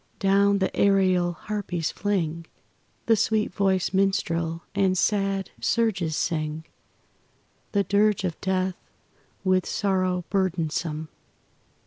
Down the aerial harpies fling The sweet voiced minstrel and sad surges sing The dirge of death with sorrow burdensome.